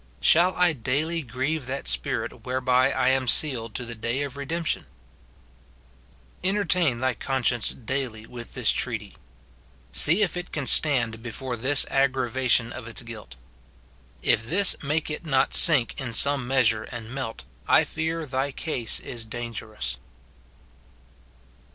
Shall I daily grieve that Spirit whereby I am sealed to the day of redemption ? Entertain thy conscience daily with this SIN IN BELIEVERS. 251 treaty. See if it can stand before tliis aggravation of its guilt. If this make it not sink in some measure and melt, I fear thy case is dangerous.